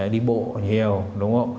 đi bộ nhiều đúng không